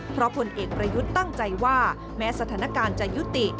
เพราะผลเอกประยุทธ์ตั้งใจว่าแม้สถานการณ์จะยุติ